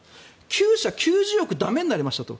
９社、９０億駄目になりましたと。